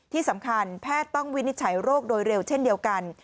ที่สำคัญแพทย์ต้องวินิจฉัยโรคโดยเร็วเช่นเดียวกัน